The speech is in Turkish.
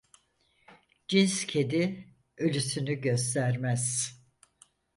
Cins kedi ölüsünü göstermez.